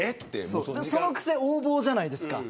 そのくせ横暴じゃないですか。